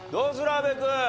阿部君。